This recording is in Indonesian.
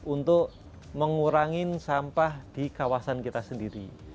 untuk mengurangi sampah di kawasan kita sendiri